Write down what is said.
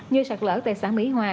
như sạt lỡ tại xã mỹ hòa